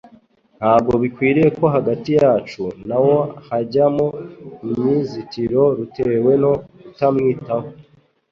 Ntabwo bikwiriye ko hagati yacu na we hajyamo umzitiro rutewe no kutamwitaho,